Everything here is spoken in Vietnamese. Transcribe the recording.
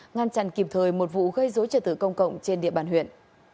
ngăn chặn kịp thời một vụ gây dối trợ tử công cộng trên địa bàn huyện